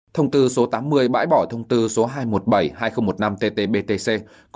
thông tư số tám mươi bãi bỏ thông tư số hai trăm một mươi bảy hai nghìn một mươi năm tt btc